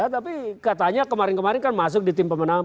tapi katanya kemarin kemarin kan masuk di tim pemenang